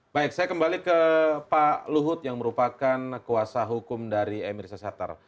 baik saya kembali ke pak luhut yang merupakan kuasa hukum dari emir sashatar